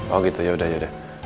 oh gitu yaudah yaudah